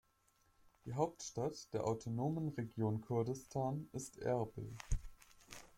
Die Hauptstadt der autonomen Region Kurdistan ist Erbil.